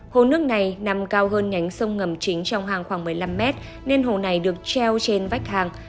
hồ nước này nằm cao hơn nhánh sông ngầm chính trong hang khoảng một mươi năm m nên hồ này được treo trên vách hang